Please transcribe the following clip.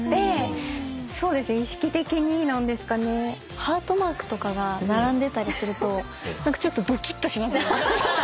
ハートマークとかが並んでたりすると何かちょっとドキッとします。